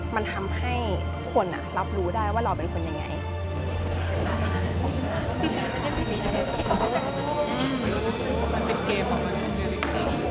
มันทำให้ทุกคนรับรู้ได้ว่าเราเป็นคนยังไง